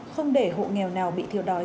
không để hộ nghèo nào bị thiêu đói